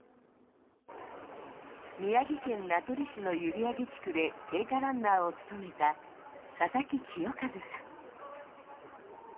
宮城県名取市の閖上地区で聖火ランナーを務めた佐々木清和さん。